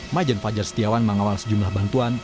majen fajar setiawan mengawal sejumlah bantuan